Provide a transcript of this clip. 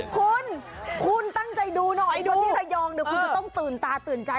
คุณคุณตั้งใจดูหน่อยดูที่ระยองเดี๋ยวคุณจะต้องตื่นตาตื่นใจ